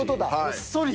ごっそり。